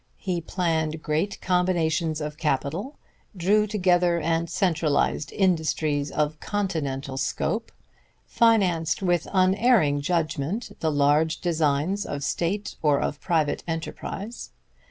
He planned great combinations of capital, drew together and centralized industries of continental scope, financed with unerring judgment the large designs of state or of private enterprise.